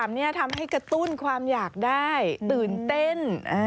ทำให้กระตุ้นความอยากได้ตื่นเต้น